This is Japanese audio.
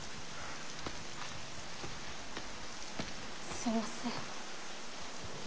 すみません。